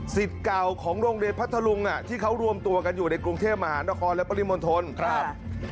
เก่าของโรงเรียนพัทธลุงอ่ะที่เขารวมตัวกันอยู่ในกรุงเทพมหานครและปริมณฑลครับ